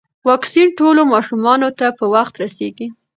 واکسین ټولو ماشومانو ته په وخت رسیږي.